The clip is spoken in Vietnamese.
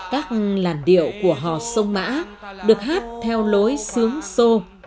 các làn điệu của hò sông mã được hát theo lối sướng xô